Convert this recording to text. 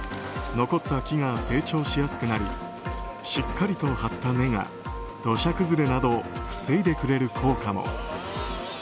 残った木が成長しやすくなりしっかりと張った根が土砂崩れなどを防いでくれる効果も。